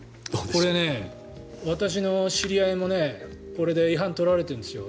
これね、私の知り合いもこれで違反を取られてるんですよ